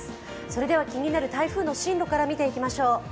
それでは気になる台風の進路から見ていきましょう。